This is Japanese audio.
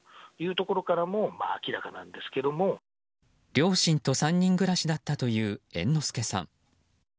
両親と３人暮らしだったという猿之助さん。